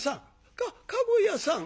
かっ駕籠屋さん！